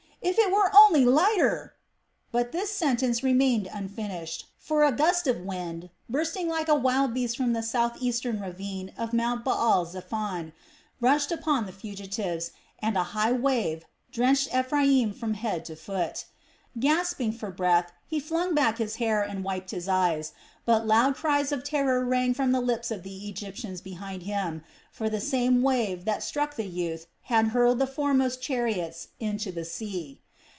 If it were only lighter!..." But this sentence remained unfinished, for a gust of wind, bursting like a wild beast from the south eastern ravine of Mount Baal zephon, rushed upon the fugitives, and a high wave drenched Ephraim from head to foot. Gasping for breath, he flung back his hair and wiped his eyes; but loud cries of terror rang from the lips of the Egyptians behind him; for the same wave that struck the youth had hurled the foremost chariots into the sea.